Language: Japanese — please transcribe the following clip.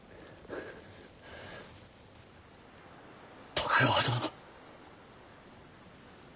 徳川殿。